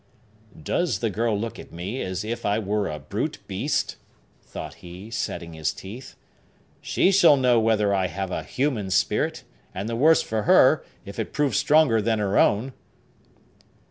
"Does the girl look at me as if I were a brute beast?" thought he, setting his teeth. "She shall know whether I have a human spirit; and the worse for her, if it prove stronger than her own!"